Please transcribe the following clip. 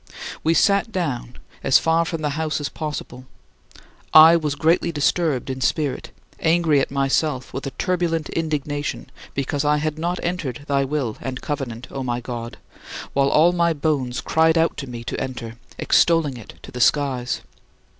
We sat down, as far from the house as possible. I was greatly disturbed in spirit, angry at myself with a turbulent indignation because I had not entered thy will and covenant, O my God, while all my bones cried out to me to enter, extolling it to the skies.